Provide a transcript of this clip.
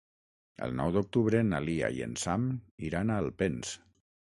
El nou d'octubre na Lia i en Sam iran a Alpens.